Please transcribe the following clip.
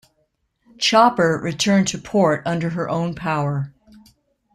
"Chopper" returned to port under her own power.